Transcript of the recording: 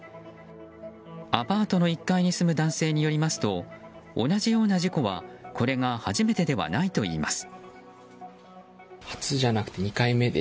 アパートの１階に住む男性によりますと同じような事故は、これが初めてではないといいます。